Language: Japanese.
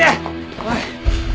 おい！